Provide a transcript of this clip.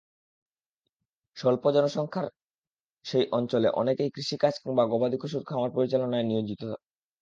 স্বল্প জনসংখ্যার সেই অঞ্চলে অনেকেই কৃষিকাজ কিংবা গবাদিপশুর খামার পরিচালনায় নিয়োজিত।